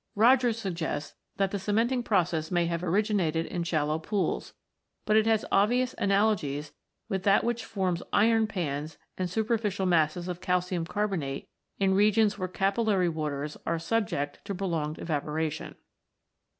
Rogers suggests that the cementing process may have originated in shallow pools ; but it has obvious analogies with that which forms iron pans and superficial masses of calcium carbonate in regions where capillary waters are subject to prolonged evaporation.